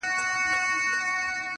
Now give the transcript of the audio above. بازاري ویل راځه چي ځو ترکوره!!